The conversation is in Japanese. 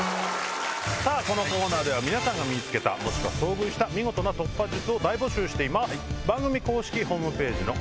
このコーナーでは皆さんが見つけたもしくは遭遇した見事な突破術を大募集しています。